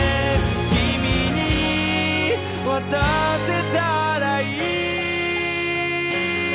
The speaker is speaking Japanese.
「君に渡せたらいい」